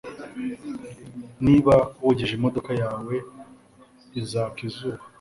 Niba wogeje imodoka yawe izaka izuba